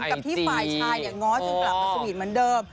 กับพี่ไฟล์ชายอย่างง้อจนกลับมาสวีตเหมือนเดิม